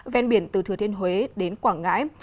ven biển từ thừa thiên huế đến quảng ngãi